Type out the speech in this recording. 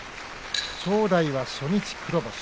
正代は初日、黒星